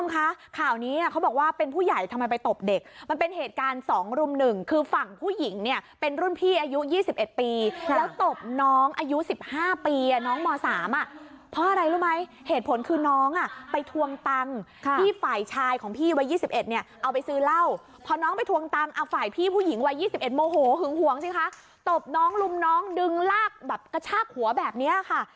ค่ะข่าวนี้เขาบอกว่าเป็นผู้ใหญ่ทำไมไปตบเด็กมันเป็นเหตุการณ์สองรุ่มหนึ่งคือฝั่งผู้หญิงเนี่ยเป็นรุ่นพี่อายุยี่สิบเอ็ดปีแล้วตบน้องอายุสิบห้าปีน้องมอสามอ่ะเพราะอะไรรู้ไหมเหตุผลคือน้องอ่ะไปทวงตังค่ะที่ฝ่ายชายของพี่วัยยี่สิบเอ็ดเนี่ยเอาไปซื้อเหล้าพอน้องไปทวงตังอ่ะฝ่ายพี่ผู้หญิงวัยย